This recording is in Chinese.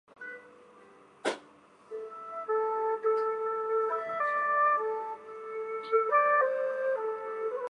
锐尖毛蕨为金星蕨科毛蕨属下的一个种。